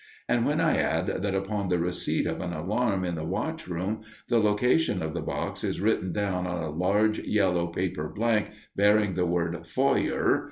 And when I add that upon the receipt of an alarm in the "watch room" the location of the box is written down on a large yellow paper blank, bearing the word "Feuer!"